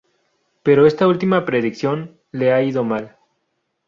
Pero a esta última predicción le ha ido mal.